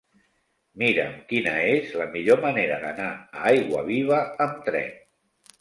Mira'm quina és la millor manera d'anar a Aiguaviva amb tren.